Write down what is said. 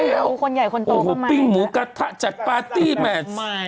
คนใหญ่คนโตก็ไม่ใหญ่แหละปิ๊งหมูกระทะจัดพาร์ตี้แมนส์